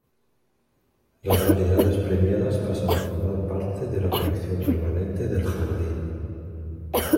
Las variedades premiadas pasan a formar parte de la colección permanente del jardín.